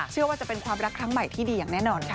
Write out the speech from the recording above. เชื่อว่าจะเป็นความรักครั้งใหม่ที่ดีอย่างแน่นอนค่ะ